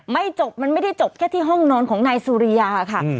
ไม่จบมันไม่ได้จบแค่ที่ห้องนอนของนายสุริยาค่ะ